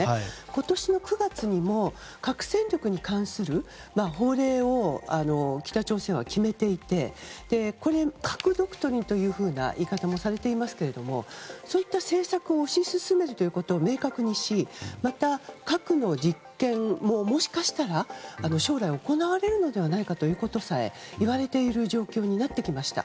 今年の９月にも核戦力に関する法令を北朝鮮は決めていて核ドクトリンという言い方もされていますけれどもそういった政策を押し進めるということを明確にしまた核の実験ももしかしたら将来行われるのではないかということさえ言われている状況になってきました。